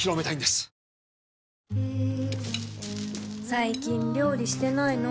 最近料理してないの？